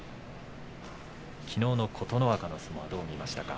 きのうの琴ノ若の相撲はどう見ましたか。